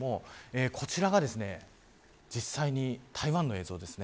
こちらが、実際に台湾の映像です。